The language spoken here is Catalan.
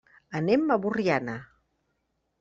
Anem a Borriana.